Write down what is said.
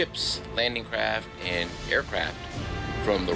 เป็นของรถและปืนเตือน